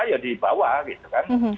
ya dibawa gitu kan